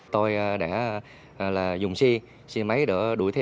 tôi đã dùng xe xe máy đã đuổi theo